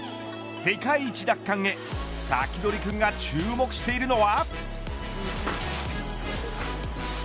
世界一奪還へサキドリくんが注目しているのは。